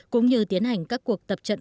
cũng như tiến hành các cuộc tập trận